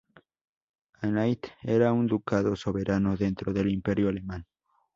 Anhalt era un ducado soberano dentro del Imperio alemán.